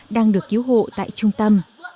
đang được cứu hộ tại trung tâm